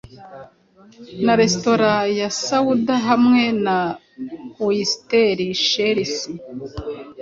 Na resitora ya sawuda hamwe na oyster-shells